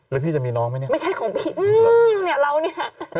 แล้วพี่จะมีน้องไหมนี่อืมเรานี่